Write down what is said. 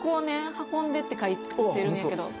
運んでって書いてるんやけどああ